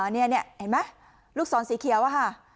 นี่เห็นไหมลูกศรสีเขียวอะค่ะ